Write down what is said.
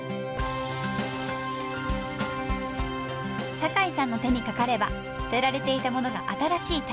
酒井さんの手にかかれば捨てられていたものが新しい宝になる。